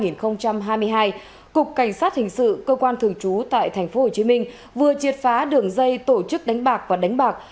năm hai nghìn hai mươi hai cục cảnh sát hình sự cơ quan thường trú tại tp hcm vừa triệt phá đường dây tổ chức đánh bạc và đánh bạc